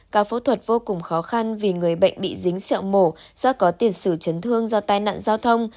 ca phẫu thuật vô cùng khó khăn vì người bệnh bị dính xẹo mổ do có tiền sử chấn thương do tai nạn giao thông